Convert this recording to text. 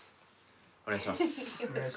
お願いします。